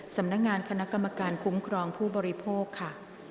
สำนักงานคณะกรรมการคุ้มครองผู้บริโภคค่ะ